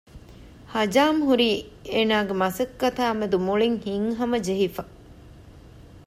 ހަޖާމް ހުރީ އޭނާގެ މަސައްކަތާ މެދު މުޅިން ހިތްހަމަ ޖެހިފަ